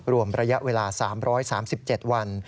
รวมระยะเวลา๓๓๗วัน